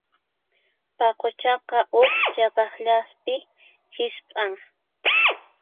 Paquchaqa huk chiqasllapi hisp'an.